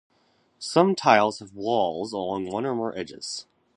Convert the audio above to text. Some tiles have walls along one or more edges.